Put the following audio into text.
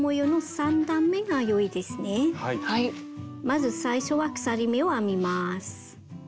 まず最初は鎖目を編みます。